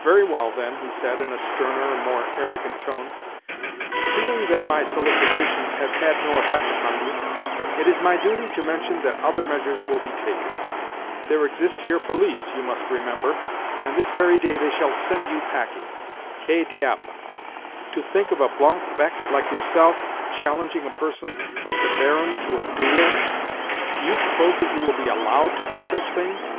"Very well, then," he said, in a sterner and more arrogant tone. "Seeing that my solicitations have had no effect upon you, it is my duty to mention that other measures will be taken. There exist here police, you must remember, and this very day they shall send you packing. Que diable! To think of a blanc bec like yourself challenging a person like the Baron to a duel! Do you suppose that you will be allowed to do such things?